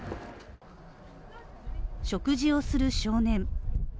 食事をする少年。